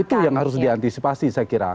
itu yang harus diantisipasi saya kira